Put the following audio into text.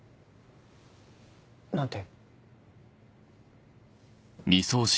何て？